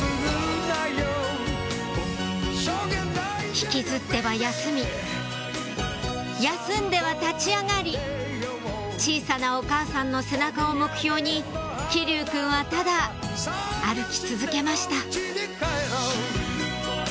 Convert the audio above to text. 引きずっては休み休んでは立ち上がり小さなお母さんの背中を目標に騎琉くんはただ歩き続けました